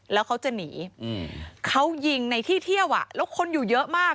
แล้วเขาจะหนีเขายิงในที่เที่ยวอ่ะแล้วคนอยู่เยอะมาก